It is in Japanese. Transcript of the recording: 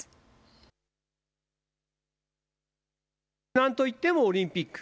なんといってもオリンピック。